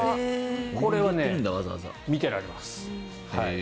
これは見てられます。